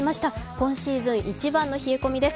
今シーズン一番の冷え込みです。